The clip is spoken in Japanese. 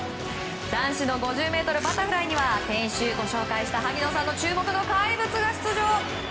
男子の５０ｍバタフライには先週紹介した萩野さんのオススメ怪物が出場。